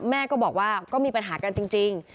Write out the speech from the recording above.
แม่ก็บอกว่าก็มีปัญหากันจริง